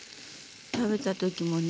食べた時もね